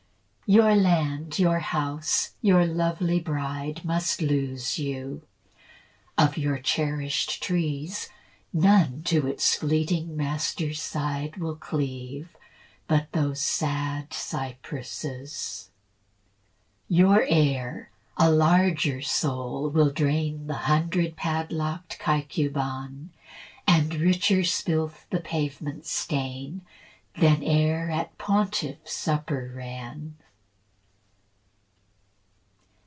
Your land, your house, your lovely bride Must lose you; of your cherish'd trees None to its fleeting master's side Will cleave, but those sad cypresses. Your heir, a larger soul, will drain The hundred padlock'd Caecuban, And richer spilth the pavement stain Than e'er at pontiff's supper ran.